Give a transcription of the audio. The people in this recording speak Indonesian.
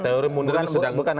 teori munir sedang